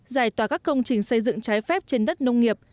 giải tỏa các công trình xây dựng trái phép trên đất nông nghiệp